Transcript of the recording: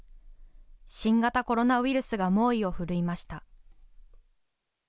新型コロナウイルスが猛威を振るいました。